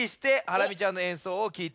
ハラミちゃん